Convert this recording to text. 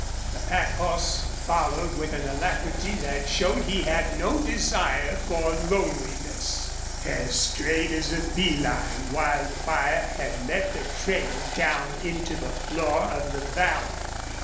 The pack horse followed with an alacrity that showed he had no desire for loneliness. As straight as a bee line Wildfire had left a trail down into the floor of the valley.